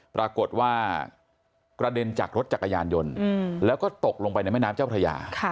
ปรากฏว่ากระเด็นจากรถจักรยานยนต์แล้วก็ตกลงไปในแม่น้ำเจ้าพระยา